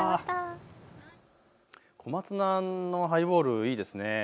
小松菜のハイボール、いいですね。